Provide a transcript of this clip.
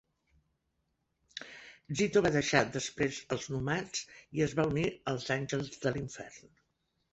Zito va deixar després els Nomads i es va unir als Angels de l'Infern.